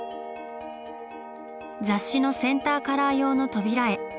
雑誌のセンターカラー用の扉絵。